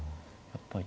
やっぱり。